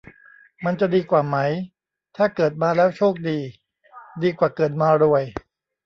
มันจะดีกว่าไหมถ้าเกิดมาแล้วโชคดี ดีกว่าเกิดมารวย